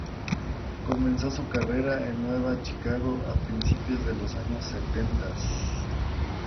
Comenzó su carrera en Nueva Chicago a principios de los años setentas.